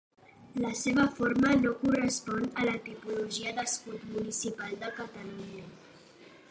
La seva forma no correspon a la tipologia d'escut municipal de Catalunya.